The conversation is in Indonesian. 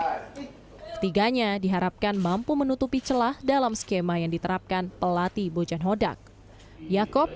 ketiganya diharapkan mampu menutupi celah dalam skema yang diterapkan pelatih bojan hodak yaakob